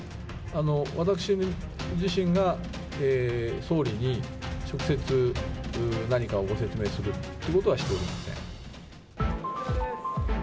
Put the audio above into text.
私自身が総理に直接何かをご説明をするということはしておりません。